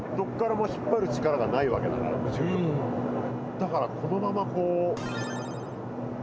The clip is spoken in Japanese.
だからこのままこう。